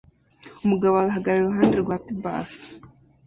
Umugabo ahagarara iruhande rwa tubas